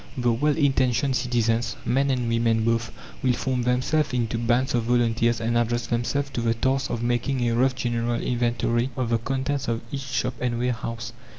The well intentioned citizens, men and women both, will form themselves into bands of volunteers and address themselves to the task of making a rough general inventory of the contents of each shop and warehouse.